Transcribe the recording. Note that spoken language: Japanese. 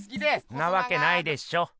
んなわけないでしょ！